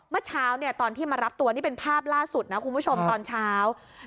เมื่อเช้าเนี่ยตอนที่มารับตัวนี่เป็นภาพล่าสุดนะคุณผู้ชมตอนเช้า